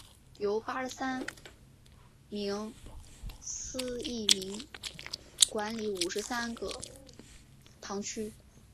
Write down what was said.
由八十三名司铎名管理五十三个堂区。